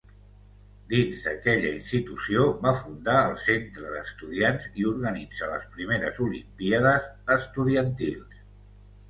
Dins d'aquella institució, va fundar el Centre d'Estudiants i organitza les primeres olimpíades estudiantils.